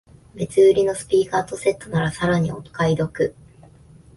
別売りのスピーカーとセットならさらにお買い得